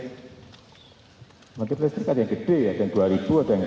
pembangkit listrik kan ada yang gede ya ada yang dua ribu ada yang seribu